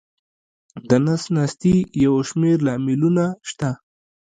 د نس ناستي یو شمېر لاملونه شته.